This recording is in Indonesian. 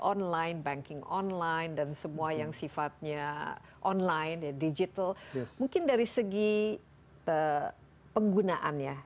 online banking online dan semua yang sifatnya online ya digital mungkin dari segi penggunaan ya